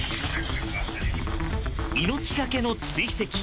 命がけの追跡。